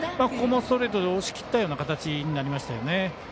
ここもストレートで押し切ったような形になりましたよね。